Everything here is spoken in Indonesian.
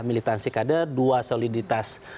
militansi kader dua soliditas